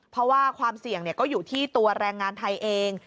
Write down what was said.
เพราะว่าความเสี่ยงก็อยู่ที่ตัวแรงงานไทยเอง